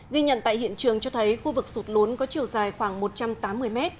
ghi nhận tại hiện trường cho thấy khu vực sụt lún có chiều dài khoảng một trăm tám mươi m